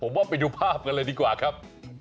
ผมว่าไปดูภาพกันเลยดีกว่าครับ